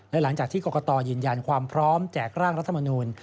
และหลังจากที่กรกตยืนยันความพร้อมแจกร่างรัฐมนูล